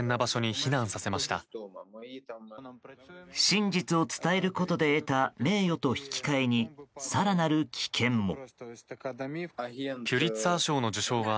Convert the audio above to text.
真実を伝えることで得た名誉と引き換えに更なる危険も。